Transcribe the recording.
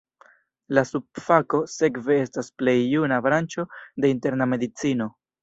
La subfako sekve estas la plej juna branĉo de interna medicino.